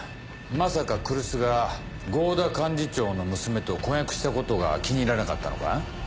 まさか来栖が郷田幹事長の娘と婚約したことが気に入らなかったのか？